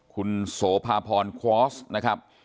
คุณโสภาพรควอสนะครับ